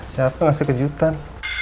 siapa ngasih kejutan